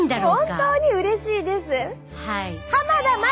本当にうれしいです。